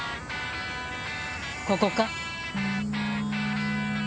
ここか？